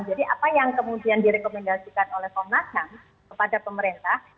jadi apa yang kemudian direkomendasikan oleh komnas ham kepada pemerintah